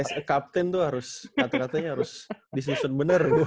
as a captain tuh harus kata katanya harus disusun bener gue